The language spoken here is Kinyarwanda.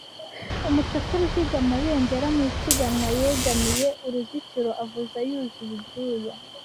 Umucakara uhiga amabendera mu isiganwa, yegamiye uruzitiro, avuza, yuzuye ibyuya,